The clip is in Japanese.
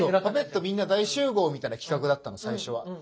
「パペットみんな大集合！」みたいな企画だったの最初は。